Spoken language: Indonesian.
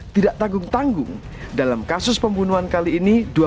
tidak tanggung tanggung dalam kasus pembunuhan kali ini